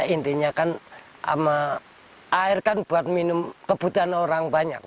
intinya kan air kan buat minum kebutuhan orang banyak